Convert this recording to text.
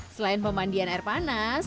selain pemandian air panas